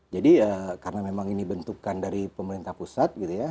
jadi karena memang ini dibentukkan dari pemerintah pusat gitu ya